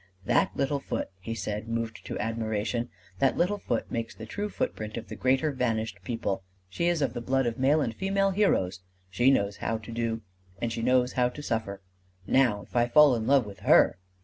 "That little foot," he said, moved to admiration, "that little foot makes the true footprint of the greater vanished people! She is of the blood of male and female heroes: she knows how to do and she knows how to suffer! Now if I fall in love with her